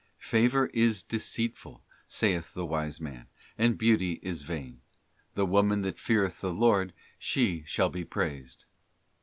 'Favour is deceitful,' saith the Wise Man, ' and beauty is vain: the woman that feareth the Lord, she shall be praised.